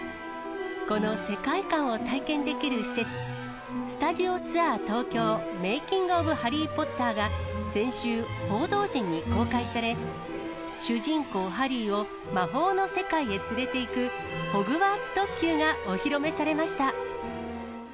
この世界観を体験できる施設、スタジオツアー東京・メイキング・オブ・ハリー・ポッターが、先週、報道陣に公開され、主人公、ハリーを魔法の世界へ連れていく、ホグワーツ特急がお披露目されました。